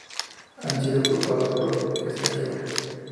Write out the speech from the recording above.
Ha sido culpado por esta quiebra.